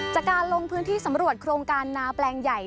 จากการลงพื้นที่สำรวจโครงการนาแปลงใหญ่